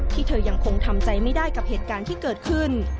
เธอยังคงทำใจไม่ได้กับเหตุการณ์ที่เกิดขึ้น